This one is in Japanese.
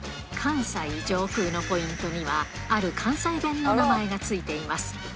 関西上空のポイントには、ある関西弁の名前が付いています。